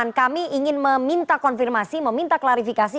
jadi kami ingin meminta konfirmasi meminta klarifikasi